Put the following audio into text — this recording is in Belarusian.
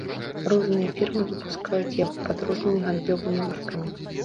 Розныя фірмы выпускаюць яго пад рознымі гандлёвымі маркамі.